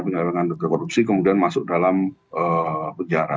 penyelewengan duga korupsi kemudian masuk dalam penjara